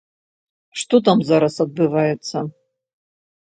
Што там зараз адбываецца?